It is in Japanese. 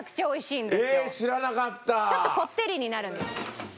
ちょっとこってりになるんです。